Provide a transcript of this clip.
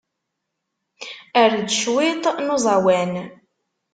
Err-d cwiṭ n uẓawan.